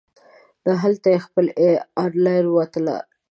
نه هلته یې خپله انلاین وتله.